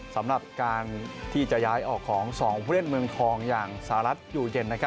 สำหรับการที่จะย้ายออกของ๒ผู้เล่นเมืองทองอย่างสหรัฐอยู่เย็น